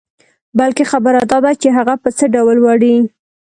بلکې خبره داده چې هغه په څه ډول وړې.